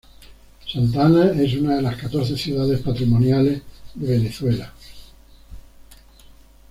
Santa Ana es una de las catorce ciudades patrimoniales de Venezuela.